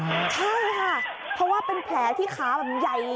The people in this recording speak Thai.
ใช่ค่ะเพราะว่าเป็นแผลที่ขาแบบใหญ่